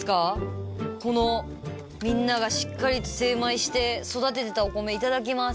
このみんながしっかりと精米して育ててたお米いただきます。